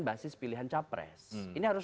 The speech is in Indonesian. basis pilihan capres ini harus